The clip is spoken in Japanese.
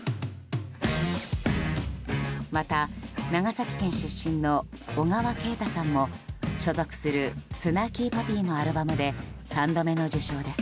また、長崎県出身の小川慶太さんも所属するスナーキー・パピーのアルバムで３度目の受賞です。